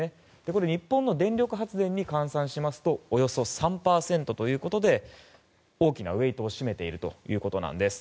これ、日本の電力発電に換算しますとおよそ３％ということで大きなウェートを占めているということなんです。